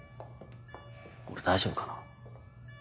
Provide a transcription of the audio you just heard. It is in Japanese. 俺大丈夫かな？